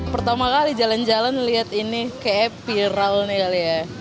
pertama kali jalan jalan lihat ini kayak viral nih kali ya